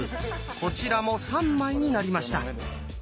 こちらも３枚になりました。